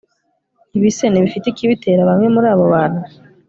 Ibi se ntibifite ikibitera Bamwe muri abo bantu